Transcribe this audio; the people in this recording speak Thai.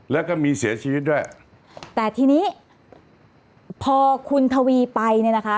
แล้วก็มีเสียชีวิตด้วยแต่ทีนี้พอคุณทวีไปเนี่ยนะคะ